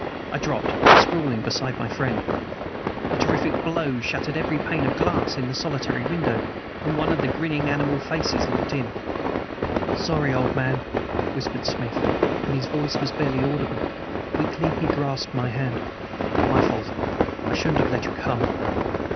I dropped, sprawling, beside my friend. A terrific blow shattered every pane of glass in the solitary window, and one of the grinning animal faces looked in. "Sorry, old man," whispered Smith, and his voice was barely audible. Weakly he grasped my hand. "My fault. I shouldn't have let you come."